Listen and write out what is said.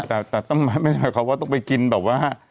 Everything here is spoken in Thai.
แต่ไม่ใช่แค่เขาว่าต้องไปกินแบบว่า